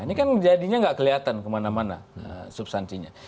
ini kan jadinya nggak kelihatan kemana mana substansinya